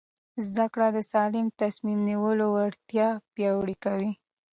زده کړه د سالم تصمیم نیولو وړتیا پیاوړې کوي.